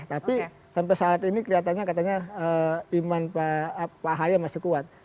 tapi sampai saat ini kelihatannya katanya iman pak ahaye masih kuat